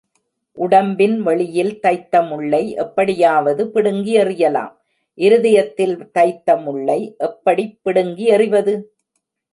உடம்பின் வெளியில் தைத்த முள்ளை எப்படியாவது பிடுங்கி எறியலாம் இருதயத்தில் தைத்த முள்ளை எப்படிப் பிடுங்கி எறிவது?